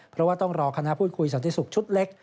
เพราะว่าต้องรอคณะพูดคุยสังเกตุศักดิ์ศุกร์ชุดเล็ก